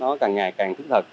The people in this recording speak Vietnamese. nó càng ngày càng thực thật